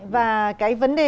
và cái vấn đề này là